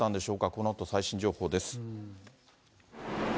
このあと最新情報です。